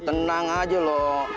tenang aja loh